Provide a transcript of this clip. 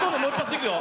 いくよ。